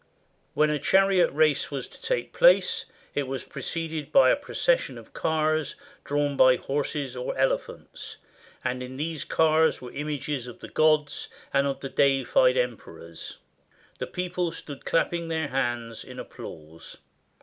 When a chariot race was to take place, it was preceded by a procession of cars drawn by horses or elephants, and in these cars were images of the gods and of the deified emper ors. The people stood clapping their hands in applause.